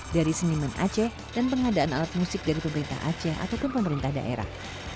dari seniman aceh dan pengadaan alat musik dari pemerintah aceh ataupun pemerintah daerah